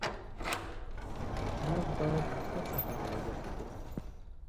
موږ باید هر سهار ورزش وکړو.